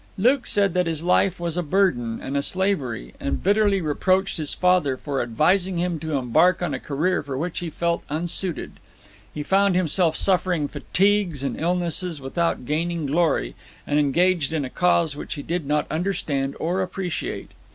Luke said that his life was a burden and a slavery, and bitterly reproached his father for advising him to embark on a career for which he felt unsuited. He found himself suffering fatigues and illnesses without gaining glory, and engaged in a cause which he did not understand or appreciate.